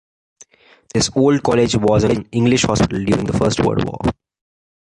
This old College was an English hospital during the First World War.